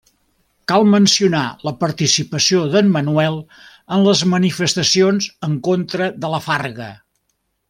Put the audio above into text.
Cal mencionar la participació d’en Manuel en les manifestacions en contra de La Farga.